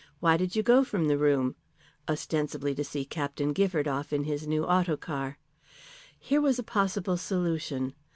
Why did you go from the room? Ostensibly to see Captain Gifford off in his new autocar. Here was a possible solution.